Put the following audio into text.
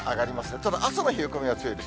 ただ朝の冷え込みは強いです。